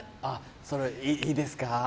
あっそれいいですか？